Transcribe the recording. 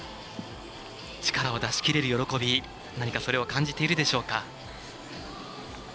力を出しきれる喜び何かそれを感じているでしょうか。